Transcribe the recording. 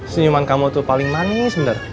senyuman kamu tuh paling manis bener